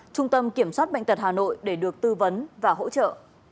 trung tâm kiểm soát bệnh tật hà nội để được tư vấn và hỗ trợ